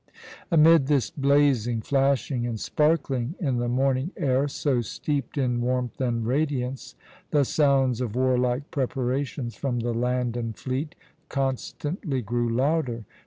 Amid this blazing, flashing, and sparkling in the morning air, so steeped in warmth and radiance, the sounds of warlike preparations from the land and fleet constantly grew louder.